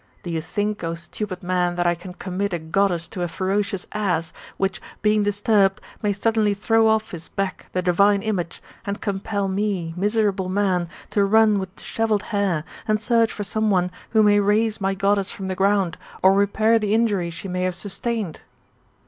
Do you think, O stupid man, that I can commit a Goddess to a ferocious ass, which, being disturbed, may suddenly throw off his back the divine image, and compel me, miserable man, to run with dishevelled hair, and search for some one who may raise my Goddess from the ground, or repair the injury she may have sustained